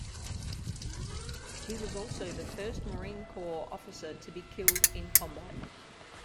He was also the first Marine Corps officer to be killed in combat.